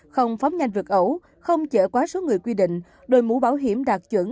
không phóng nhanh vượt ẩu không chở quá số người quy định đội mũ bảo hiểm đạt chuẩn